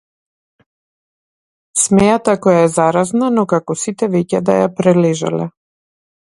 Смеата која е заразна но како сите веќе да ја прележале.